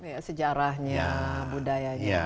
ya sejarahnya budayanya